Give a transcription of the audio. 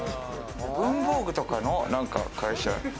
文房具とかの会社？